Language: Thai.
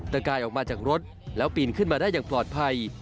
กายออกมาจากรถแล้วปีนขึ้นมาได้อย่างปลอดภัย